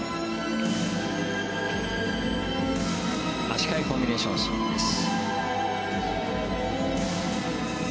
足換えコンビネーションスピンです。